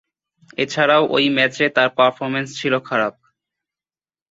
এছাড়াও ঐ ম্যাচে তার পারফরম্যান্স ছিল খারাপ।